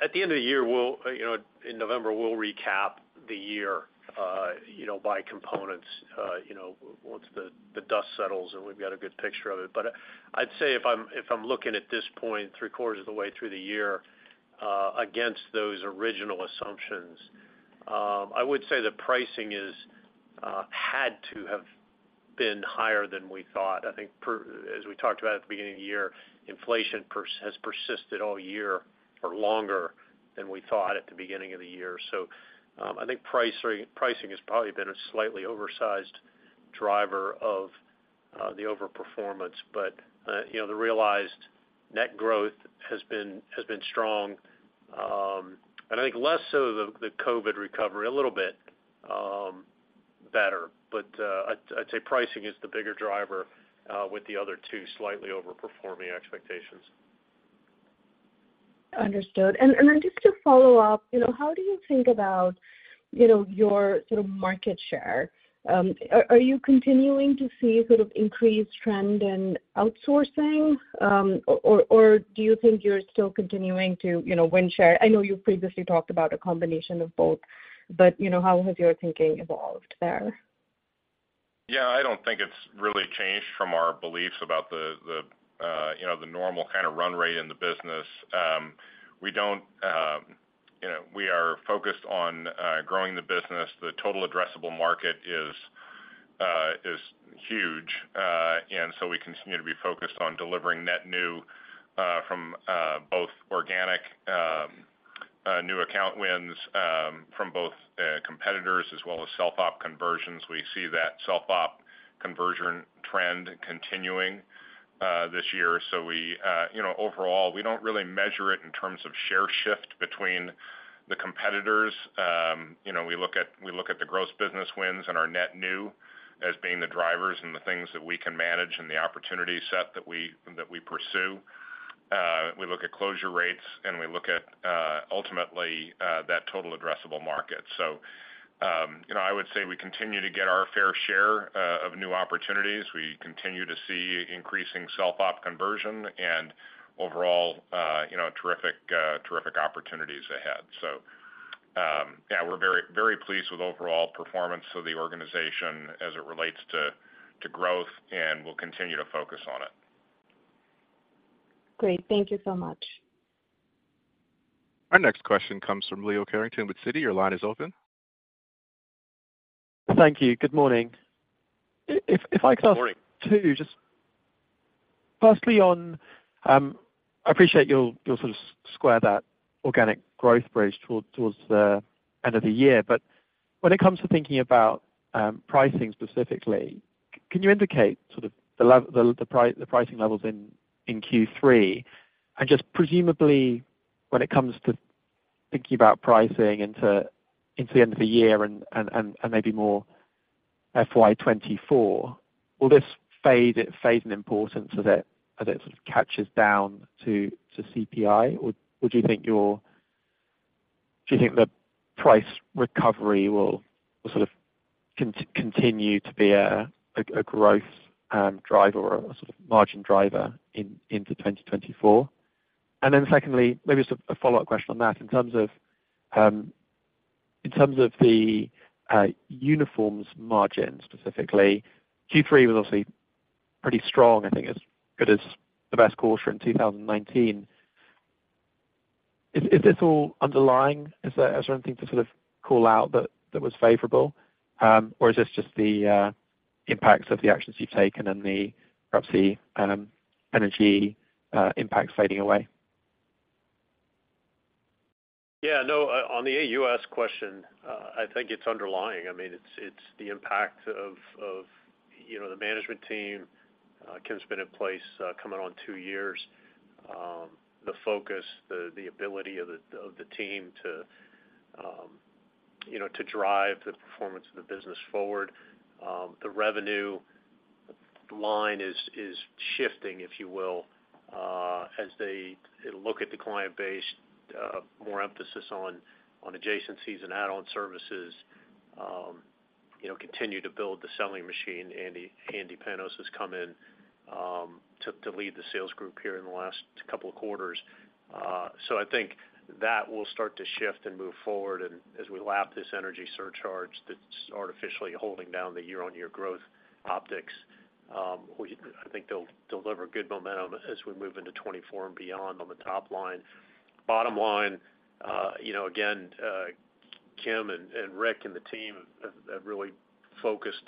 at the end of the year, we'll, you know, in November, we'll recap the year, you know, by components, you know, once the dust settles, and we've got a good picture of it. I'd say if I'm, if I'm looking at this point, three-quarters of the way through the year, against those original assumptions, I would say the pricing is had to have been higher than we thought. I think as we talked about at the beginning of the year, inflation has persisted all year or longer than we thought at the beginning of the year. I think price, pricing has probably been a slightly oversized driver of the overperformance. You know, the realized net growth has been, has been strong. I think less so the, the COVID recovery, a little bit, better. I'd, I'd say pricing is the bigger driver, with the other two slightly overperforming expectations. Understood. Then just to follow up, you know, how do you think about, you know, your sort of market share? Are you continuing to see sort of increased trend in outsourcing? Or do you think you're still continuing to, you know, win share? I know you've previously talked about a combination of both, but, you know, how has your thinking evolved there? Yeah, I don't think it's really changed from our beliefs about the, the, you know, the normal kind of run rate in the business. We don't, you know, we are focused on growing the business. The total addressable market is huge, and so we continue to be focused on delivering net new from both organic new account wins from both competitors as well as self-op conversions. We see that self-op conversion trend continuing this year. We, you know, overall, we don't really measure it in terms of share shift between the competitors. You know, we look at, we look at the gross business wins and our net new as being the drivers and the things that we can manage and the opportunity set that we, that we pursue. We look at closure rates, and we look at, ultimately, that total addressable market. You know, I would say we continue to get our fair share of new opportunities. We continue to see increasing self-op conversion and overall, you know, terrific, terrific opportunities ahead. Yeah, we're very, very pleased with overall performance of the organization as it relates to, to growth, and we'll continue to focus on it. Great. Thank you so much. Our next question comes from Leo Carrington with Citi. Your line is open. Thank you. Good morning. If I could ask- Good morning. -two, just firstly on, I appreciate you'll, you'll sort of square that organic growth bridge towards, towards the end of the year. But when it comes to thinking about pricing specifically, can you indicate sort of the pricing levels in Q3? And just presumably, when it comes to thinking about pricing into the end of the year and maybe more FY 2024, will this fade in importance as it sort of catches down to CPI? Or do you think you're... Do you think the price recovery will sort of continue to be a growth driver or a sort of margin driver into 2024? And then secondly, maybe just a follow-up question on that. In terms of, in terms of the uniforms margin, specifically, Q3 was obviously pretty strong, I think as good as the best quarter in 2019. Is this all underlying? Is there anything to sort of call out that, that was favorable? Or is this just the impacts of the actions you've taken and the, perhaps the energy impact fading away? Yeah, no, on the AUS question, I think it's underlying. I mean, it's, it's the impact of, of, you know, the management team. Kim's been in place, coming on 2 years. The focus, the, the ability of the, of the team to, you know, to drive the performance of the business forward. The revenue line is, is shifting, if you will, as they look at the client base, more emphasis on, on adjacencies and add-on services, you know, continue to build the selling machine. Andy, Andy Panos has come in to, to lead the sales group here in the last couple of quarters. I think that will start to shift and move forward and as we lap this energy surcharge that's artificially holding down the year-on-year growth optics, I think they'll deliver good momentum as we move into 2024 and beyond on the top line. Bottom line, you know, again, Kim and Rick and the team have really focused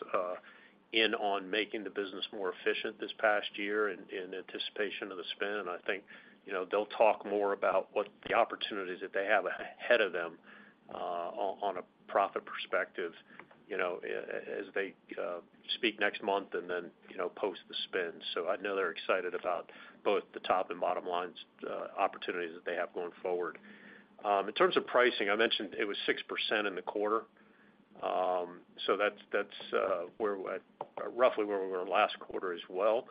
in on making the business more efficient this past year in anticipation of the spin. I think, you know, they'll talk more about what the opportunities that they have ahead of them on a profit perspective, you know, as they speak next month and then, you know, post the spin. I know they're excited about both the top and bottom lines, opportunities that they have going forward. In terms of pricing, I mentioned it was 6% in the quarter. Roughly where we were last quarter as well.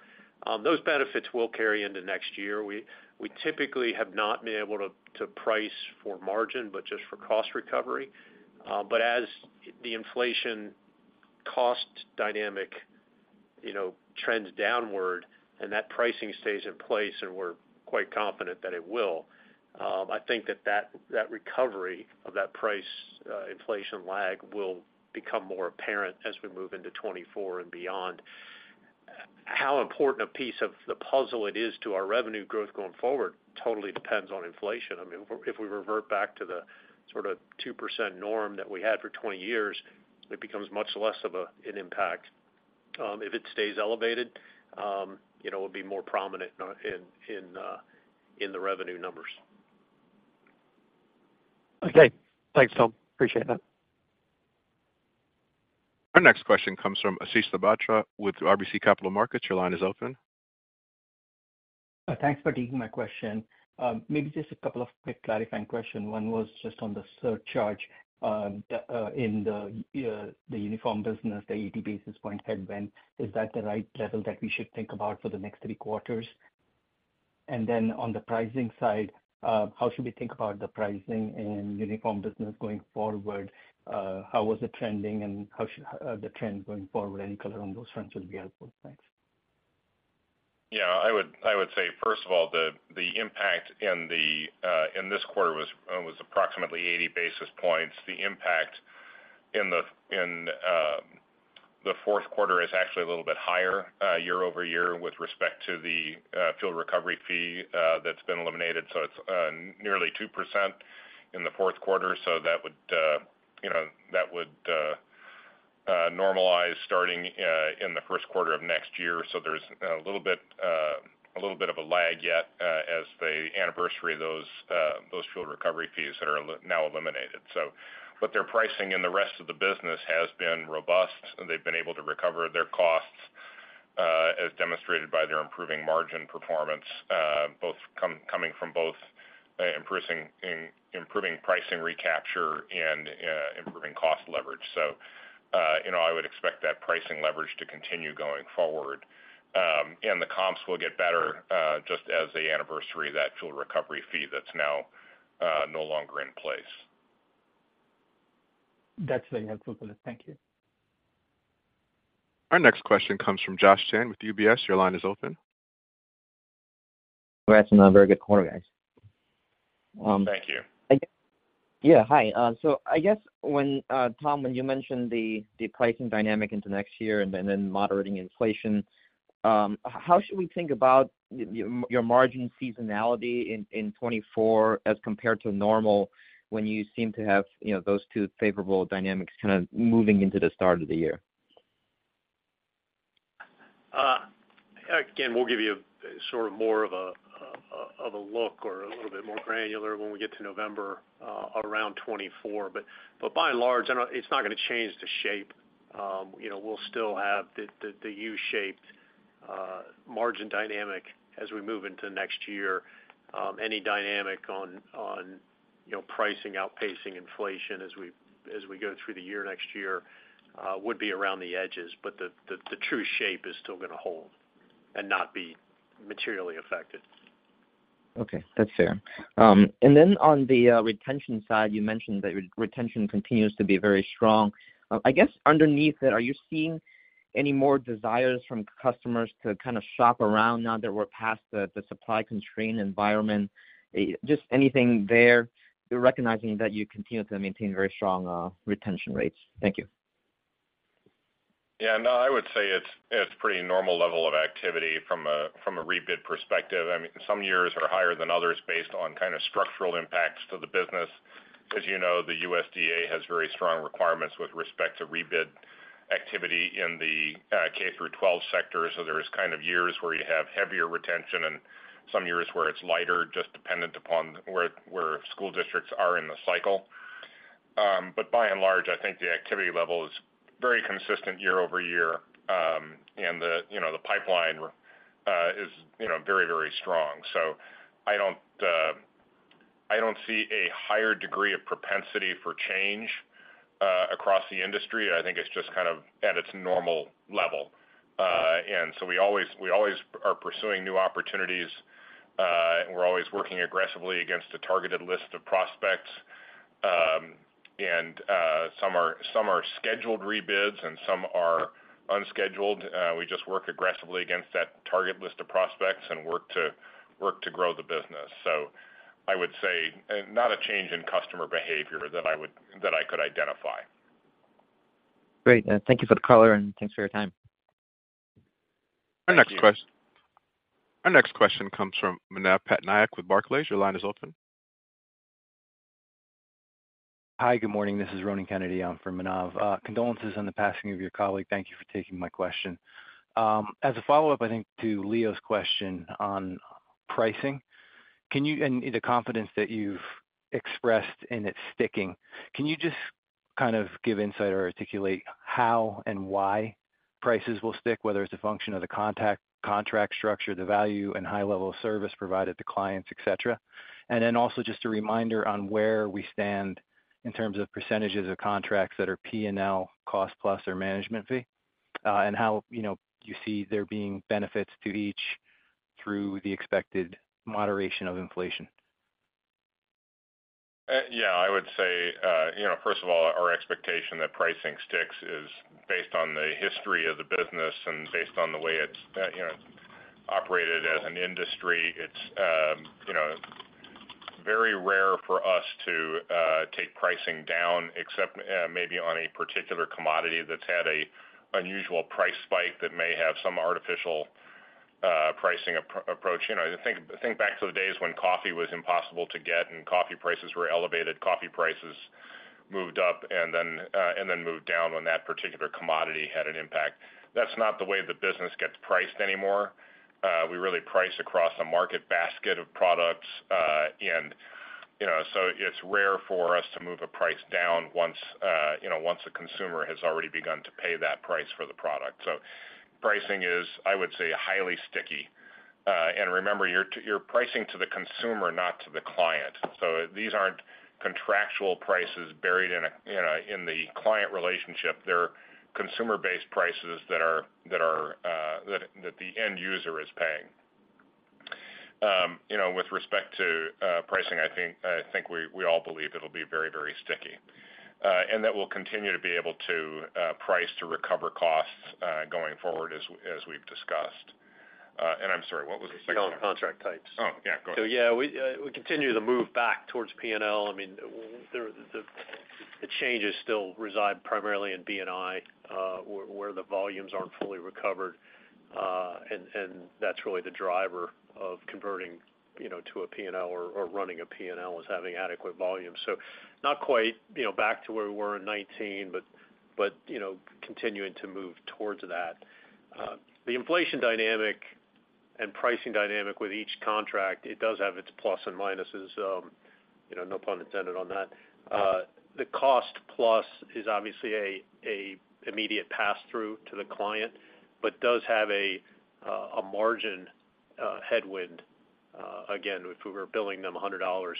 Those benefits will carry into next year. We, we typically have not been able to, to price for margin, but just for cost recovery. As the inflation-... cost dynamic, you know, trends downward and that pricing stays in place, and we're quite confident that it will, I think that, that, that recovery of that price inflation lag will become more apparent as we move into 2024 and beyond. How important a piece of the puzzle it is to our revenue growth going forward totally depends on inflation. I mean, if we, if we revert back to the sort of 2% norm that we had for 20 years, it becomes much less of an impact. If it stays elevated, you know, it'll be more prominent in, in, in the revenue numbers. Okay. Thanks, Tom. Appreciate that. Our next question comes from Ashish Sabharwal with RBC Capital Markets. Your line is open. Thanks for taking my question. Maybe just a couple of quick clarifying question. One was just on the surcharge, in the Uniform Services, the 80 basis point headwind. Is that the right level that we should think about for the next 3 quarters? On the pricing side, how should we think about the pricing in Uniform Services going forward? How is it trending and how should the trend going forward, any color on those trends will be helpful. Thanks. Yeah, I would, I would say, first of all, the, the impact in the, in this quarter was, was approximately 80 basis points. The impact in the, in the fourth quarter is actually a little bit higher year-over-year with respect to the fuel recovery fee that's been eliminated, so it's nearly 2% in the fourth quarter. That would, you know, that would normalize starting in the first quarter of next year. There's a little bit, a little bit of a lag yet, as they anniversary those fuel recovery fees that are now eliminated. Their pricing in the rest of the business has been robust, and they've been able to recover their costs, as demonstrated by their improving margin performance, both coming from both, improving pricing recapture and improving cost leverage. You know, I would expect that pricing leverage to continue going forward. The comps will get better, just as they anniversary that fuel recovery fee that's now no longer in place. That's very helpful. Thank you. Our next question comes from Josh Chen with UBS. Your line is open. Congrats on a very good quarter, guys. Thank you. Yeah, hi. I guess when Tom, when you mentioned the, the pricing dynamic into next year and then, then moderating inflation, how should we think about y- y- your margin seasonality in, in 2024 as compared to normal, when you seem to have, you know, those two favorable dynamics kind of moving into the start of the year? Again, we'll give you sort of more of a, of a look or a little bit more granular when we get to November, around 24. By and large, it's not gonna change the shape. You know, we'll still have the, the, the U-shaped margin dynamic as we move into next year. Any dynamic on, on, you know, pricing outpacing inflation as we, as we go through the year, next year, would be around the edges, but the, the, the true shape is still gonna hold and not be materially affected. Okay, that's fair. On the retention side, you mentioned that retention continues to be very strong. I guess underneath it, are you seeing any more desires from customers to kind of shop around now that we're past the supply constraint environment? Just anything there, recognizing that you continue to maintain very strong retention rates. Thank you. Yeah, no, I would say it's, it's pretty normal level of activity from a, from a rebid perspective. I mean, some years are higher than others based on kind of structural impacts to the business. As you know, the USDA has very strong requirements with respect to rebid activity in the K-12 sector. There is kind of years where you have heavier retention and some years where it's lighter, just dependent upon where, where school districts are in the cycle. By and large, I think the activity level is very consistent year-over-year. The, you know, the pipeline is, you know, very, very strong. I don't, I don't see a higher degree of propensity for change across the industry. I think it's just kind of at its normal level. We always, we always are pursuing new opportunities, and we're always working aggressively against a targeted list of prospects. Some are, some are scheduled rebids and some are unscheduled. We just work aggressively against that target list of prospects and work to, work to grow the business. I would say, not a change in customer behavior that I would-- that I could identify. Great, and thank you for the color, and thanks for your time. Thank you. Our next question comes from Manav Patnaik with Barclays. Your line is open. Hi, good morning. This is Ronen Kennedy. I'm from Manav. Condolences on the passing of your colleague. Thank you for taking my question. As a follow-up, I think, to Leo's question on pricing, can you... The confidence that you've expressed in it sticking, can you just kind of give insight or articulate how and why prices will stick, whether it's a function of the contact- contract structure, the value, and high level of service provided to clients, et cetera? Also just a reminder on where we stand in terms of % of contracts that are P&L, cost plus, or management fee, and how, you know, you see there being benefits to each through the expected moderation of inflation? Yeah, I would say, you know, first of all, our expectation that pricing sticks is based on the history of the business and based on the way it's, you know, operated as an industry. It's, you know, very rare for us to take pricing down, except maybe on a particular commodity that's had a unusual price spike that may have some artificial pricing approach. You know, think, think back to the days when coffee was impossible to get and coffee prices were elevated. Coffee prices moved up and then, and then moved down when that particular commodity had an impact. That's not the way the business gets priced anymore. We really price across a market basket of products. You know, so it's rare for us to move a price down once, you know, once the consumer has already begun to pay that price for the product. Pricing is, I would say, highly sticky. Remember, you're pricing to the consumer, not to the client. These aren't contractual prices buried in a, you know, in the client relationship. They're consumer-based prices that are, that are, that, that the end user is paying. You know, with respect to pricing, I think, I think we, we all believe it'll be very, very sticky, and that we'll continue to be able to price to recover costs going forward, as, as we've discussed. I'm sorry, what was the second? On contract types. Oh, yeah, go ahead. Yeah, we continue to move back towards P&L. I mean, there the, the changes still reside primarily in B&I, where, where the volumes aren't fully recovered. That's really the driver of converting, you know, to a P&L or, or running a P&L, is having adequate volume. Not quite, you know, back to where we were in 2019, but, but, you know, continuing to move towards that. The inflation dynamic and pricing dynamic with each contract, it does have its plus and minuses, you know, no pun intended on that. The cost plus is obviously a immediate pass-through to the client, but does have a margin headwind. Again, if we were billing them $100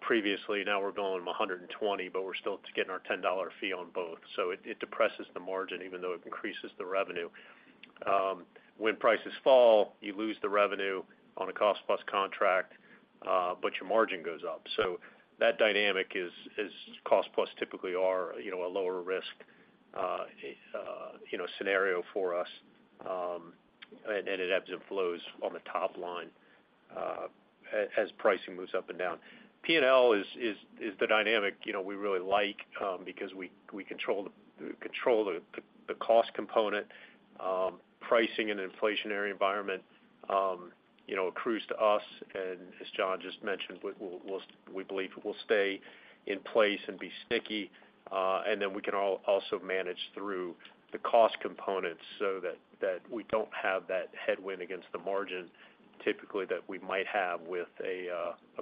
previously, now we're billing them $120, but we're still getting our $10 fee on both, so it, it depresses the margin, even though it increases the revenue. When prices fall, you lose the revenue on a cost plus contract, but your margin goes up. That dynamic is, is cost plus typically are, you know, a lower risk, you know, scenario for us, and it ebbs and flows on the top line as pricing moves up and down. P&L is, is, is the dynamic, you know, we really like, because we, we control the, control the, the cost component. Pricing in an inflationary environment, you know, accrues to us, and as John just mentioned, we'll we believe will stay in place and be sticky. Then we can also manage through the cost components so that we don't have that headwind against the margin, typically, that we might have with a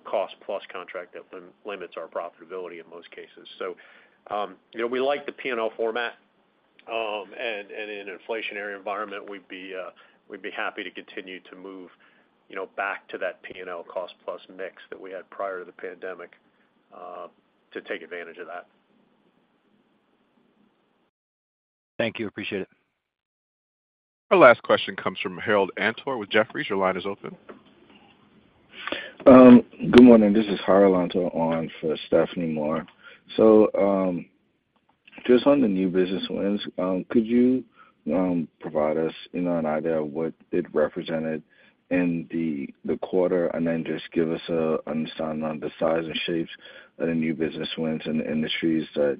cost plus contract that limits our profitability in most cases. You know, we like the P&L format. In an inflationary environment, we'd be happy to continue to move, you know, back to that P&L cost plus mix that we had prior to the pandemic, to take advantage of that. Thank you. Appreciate it. Our last question comes from Harold Antos with Jefferies. Your line is open. Good morning. This is Harold Antos on for Stephanie Moore. Just on the new business wins, could you provide us, you know, an idea of what it represented in the quarter, and then just give us an understanding on the size and shapes of the new business wins and the industries that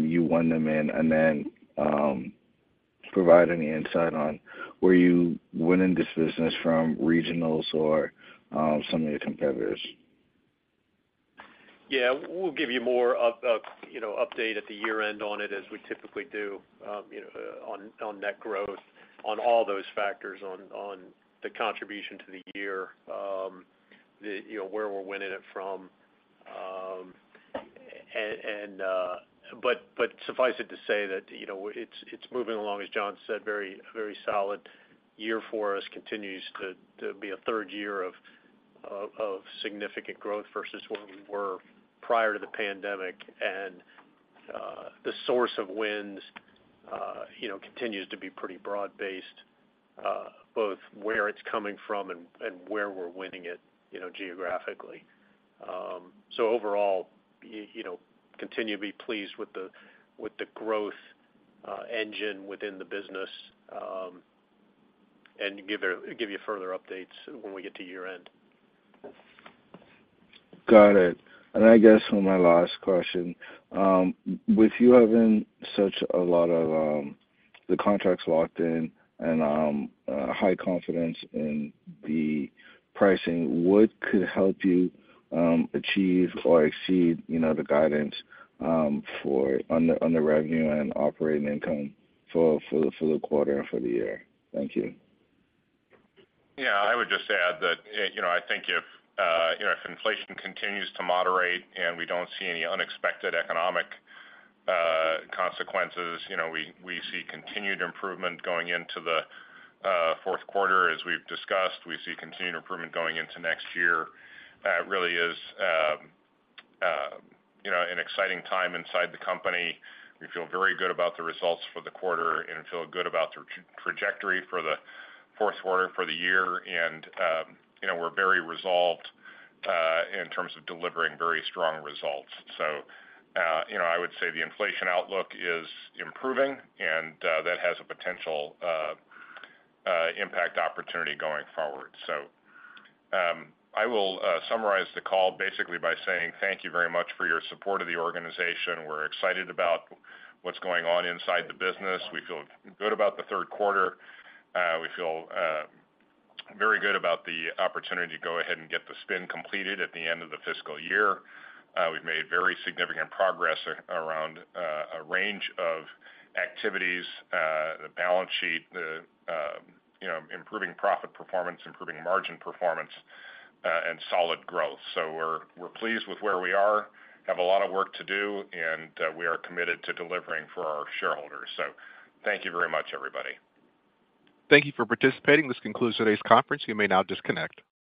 you won them in? Provide any insight on were you winning this business from regionals or some of your competitors? Yeah, we'll give you more up, you know, update at the year end on it, as we typically do, you know, on, on net growth, on all those factors, on, on the contribution to the year. You know, where we're winning it from. Suffice it to say that, you know, it's, it's moving along, as John said, a very solid year for us. Continues to be a third year of significant growth versus where we were prior to the pandemic. The source of wins, you know, continues to be pretty broad-based, both where it's coming from and where we're winning it, you know, geographically. Overall, you know, continue to be pleased with the growth engine within the business. Give, give you further updates when we get to year-end. Got it. I guess for my last question, with you having such a lot of, the contracts locked in and, high confidence in the pricing, what could help you, achieve or exceed, you know, the guidance, for on the, on the revenue and operating income for, for the, for the quarter and for the year? Thank you. Yeah, I would just add that, you know, I think if, you know, if inflation continues to moderate and we don't see any unexpected economic, consequences, you know, we, we see continued improvement going into the, fourth quarter, as we've discussed. We see continued improvement going into next year. It really is, you know, an exciting time inside the company. We feel very good about the results for the quarter and feel good about the trajectory for the fourth quarter, for the year. You know, we're very resolved, in terms of delivering very strong results. You know, I would say the inflation outlook is improving, and, that has a potential, impact opportunity going forward. I will summarize the call basically by saying thank you very much for your support of the organization. We're excited about what's going on inside the business. We feel good about the third quarter. We feel very good about the opportunity to go ahead and get the spin completed at the end of the fiscal year. We've made very significant progress around a range of activities, the balance sheet, the, you know, improving profit performance, improving margin performance, and solid growth. We're, we're pleased with where we are, have a lot of work to do, and we are committed to delivering for our shareholders. Thank you very much, everybody. Thank you for participating. This concludes today's conference. You may now disconnect.